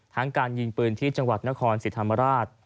ทั้งการยิงปืนที่จังหวัดนครศิษย์ธรรมราช